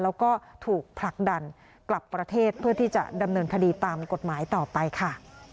แล้วก็ถูกผลักดันกลับประเทศเพื่อที่จะดำเนินคดีตามกฎหมายต่อไปค่ะ